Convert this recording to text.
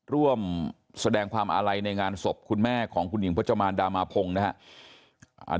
ร่วมแสดงความอาลัยในงานศพคุณแม่ของคุณหญิงพจมานดามาพงศ์นะครับ